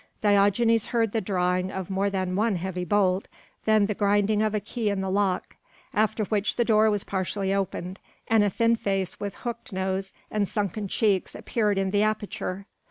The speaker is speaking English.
Diogenes heard the drawing of more than one heavy bolt, then the grinding of a key in the lock; after which the door was partially opened, and a thin face with hooked nose and sunken cheeks appeared in the aperture.